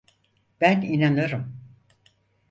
Ben inanırım.